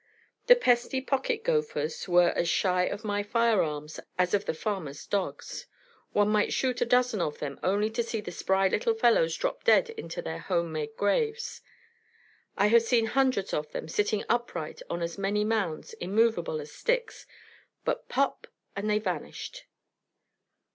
The pesty pocket gophers were as shy of my fire arms as of the farmers' dogs; one might shoot a dozen of them only to see the spry little fellows drop dead into their "home made" graves. I have seen hundreds of them sitting upright on as many mounds, immovable as sticks, but pop! and they vanished.